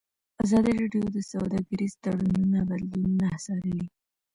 ازادي راډیو د سوداګریز تړونونه بدلونونه څارلي.